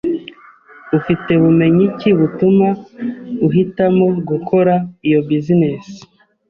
Ufite bumenyi ki butuma uhitamo gukora iyo business